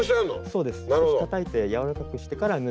そうです。